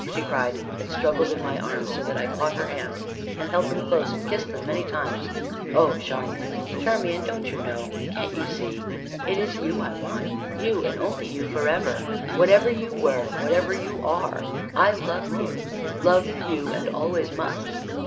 she cried, and struggled in my arms, so that I caught her hands, and held them close, and kissed them many times. "Oh, Charmian! Charmian! don't you know can't you see it is you I want you, and only you forever; whatever you were whatever you are I love you love you, and always must!